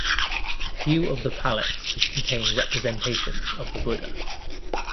Few of the palettes contain representations of the Buddha.